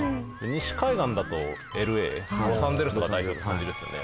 西海岸だとＬＡロサンゼルスとかが代表って感じですよね。